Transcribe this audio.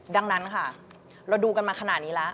ดังนั้นค่ะเราดูกันมาขนาดนี้แล้ว